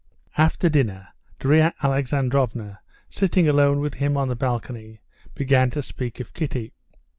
After dinner, Darya Alexandrovna, sitting alone with him on the balcony, began to speak of Kitty.